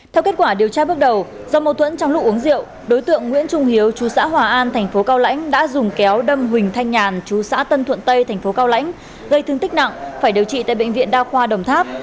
theo kết quả điều tra bước đầu do mâu thuẫn trong lúc uống rượu đối tượng nguyễn trung hiếu chú xã hòa an thành phố cao lãnh đã dùng kéo đâm huỳnh thanh nhàn chú xã tân thuận tây thành phố cao lãnh gây thương tích nặng phải điều trị tại bệnh viện đa khoa đồng tháp